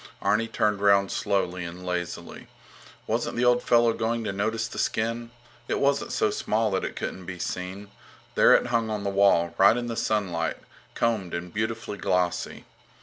Arni turned round slowly and lazily. Wasn't the old fellow going to notice the skin? It wasn't so small that it couldn't be seen. There it hung on the wall, right in the sunlight, combed and beautifully glossy.